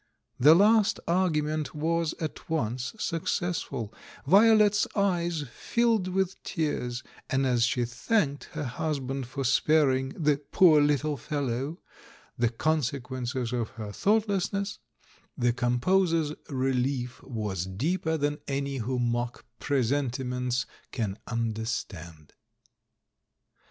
The last argument was at once successful; Violet's eyes filled with tears, and as she thanked her hus band for sparing the "poor little fellow" the con THE THIRD M 329 sequences of her thoughtlessness, the composer's rehef was deeper than any who mock presenti ments can understand.